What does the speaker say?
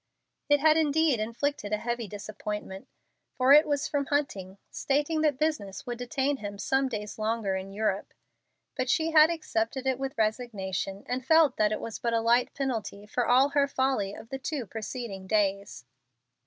It had indeed inflicted a heavy disappointment, for it was from Hunting, stating that business would detain him some days longer in Europe. But she had accepted it with resignation, and felt that it was but a light penalty for all her folly of the two preceding days.